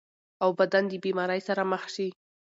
او بدن د بيمارۍ سره مخ شي -